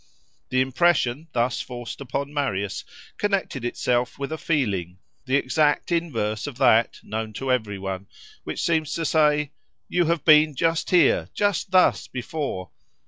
The impression thus forced upon Marius connected itself with a feeling, the exact inverse of that, known to every one, which seems to say, You have been just here, just thus, before!